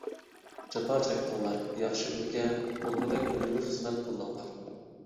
جاپا چەكتىڭلار. ياخشى ئۈلگە بولغۇدەك ئۈنۈملۈك خىزمەت قىلدىڭلار.